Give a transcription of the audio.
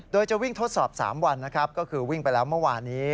โดยจะวิ่งทดสอบ๓วันนะครับก็คือวิ่งไปแล้วเมื่อวานี้